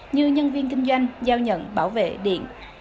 như nhân viên kinh doanh giao nhận bảo vệ điện